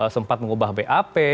sempat mengubah bap